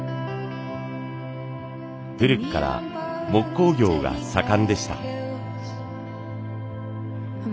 古くから木工業が盛んでした。